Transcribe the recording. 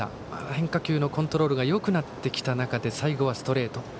変化球のコントロールがよくなってきた中で最後はストレート。